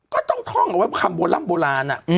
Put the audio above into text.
ก็ต้องท่องกับว่าคำบนร่ำโบราณอ่ะ